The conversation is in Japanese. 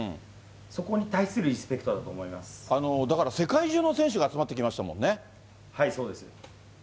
そこに対するリスペクトだと思いだから世界中の選手が集まっそうです。